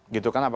gitu kan apa